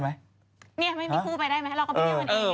ไม่มีคู่ไปได้ไหมเราก็ไปเที่ยวกันเอง